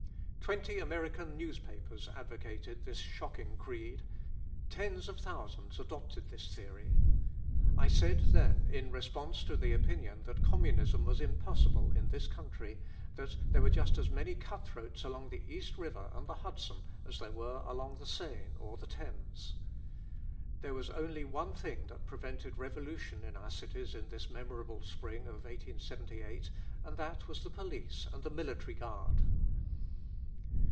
Twenty American newspapers advocated this shocking creed. Tens of thousands adopted this theory. I said then, in response to the opinion that Communism was impossible in this country, that there were just as many cut throats along the East River and the Hudson as there were along the Seine or the Thames. There was only one thing that prevented revolution in our cities in this memorable spring of 1878, and that was the police and the military guard.